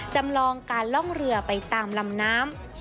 จำลองการล่องเรือไปตามลำน้ำ